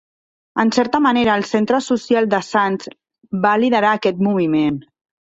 En certa manera, el Centre Social de Sants va liderar aquest moviment.